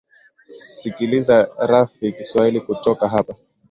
sikiliza rfi kiswahili kutoka hapa